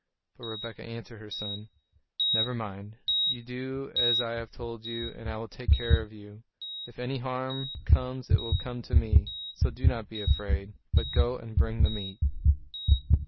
But Rebekah answered her son, "Never mind; you do as I have told you, and I will take care of you. If any harm comes it will come to me; so do not be afraid, but go and bring the meat."